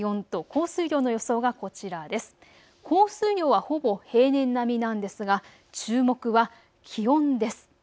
降水量はほぼ平年並みなんですが注目は気温です。